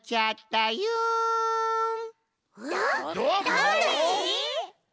だれ？